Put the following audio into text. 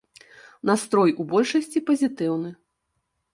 Настрой у большасці пазітыўны.